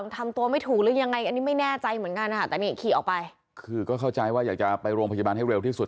ทำตัวไม่ถูกหรือยังไงอันนี้ไม่แน่ใจเหมือนกันนะคะแต่นี่ขี่ออกไปคือก็เข้าใจว่าอยากจะไปโรงพยาบาลให้เร็วที่สุด